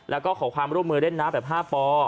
แล้วก็ขอความร่วมมือเล่นน้ำแบบ๕ปอ